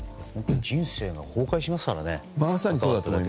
人生が崩壊しますからね。